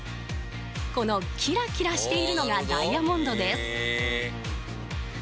このキラキラしているのがダイヤモンドです